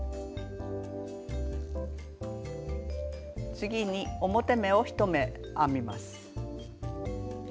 次に表目を１目編みます。